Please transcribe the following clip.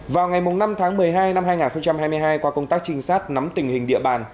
vào ngày năm tháng một mươi hai năm hai nghìn hai mươi hai qua công tác trinh sát nắm tình hình địa bàn